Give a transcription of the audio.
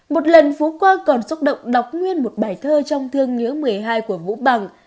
một lần phú qua còn xúc động đọc nguyên một bài thơ trong thương nhớ một mươi hai của vũ bằng